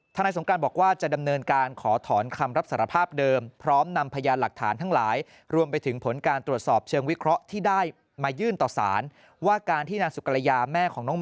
ท่านายสมการบอกว่าจะดำเนินการขอถอนคำรับสารภาพเดิม